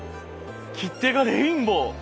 切手がレインボー！